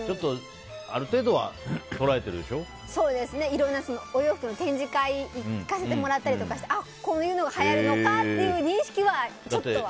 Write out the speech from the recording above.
ある程度はいろんなお洋服の展示会に行かせてもらったりしてあ、こういうのがはやるのかっていう認識はちょっとある。